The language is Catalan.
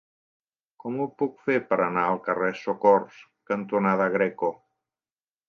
Com ho puc fer per anar al carrer Socors cantonada Greco?